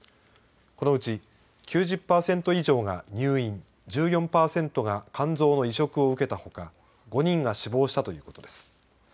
このうち９０％以上が入院１４％が肝臓の移植を受けたほか５人が死亡したということです。